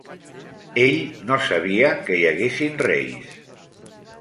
Ell no sabia que hi haguessin reis